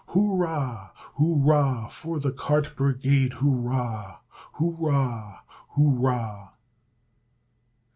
Hurrah, hurrah for the cart brigade! Hurrah! Hurrah! Hurrah!